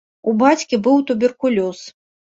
У бацькі быў туберкулёз.